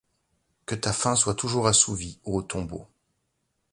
Que ta faim soit toujours assouvie, ô tombeau !